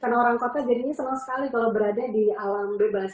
karena orang kota jadinya senang sekali kalau berada di alam bebas